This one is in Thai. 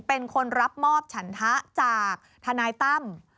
เป็นคนรับมอบฉันทะจากทนายตั้ม